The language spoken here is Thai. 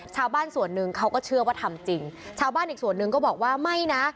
ชาวบ้านส่วนหนึ่งเขาก็เชื่อว่าทำจริงชาวบ้านอีกส่วนหนึ่งก็บอกว่าไม่นะ